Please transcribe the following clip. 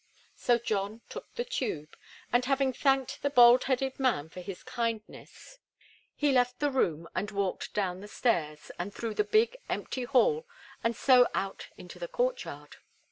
So John took the tube; and having thanked the bald headed man for his kindness, he left the room and walked down the stairs and through the big, empty hall, and so out into the courtyard.